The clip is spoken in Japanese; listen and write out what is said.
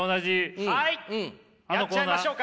やっちゃいましょうか？